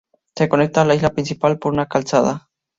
Se conecta a la isla principal por una calzada.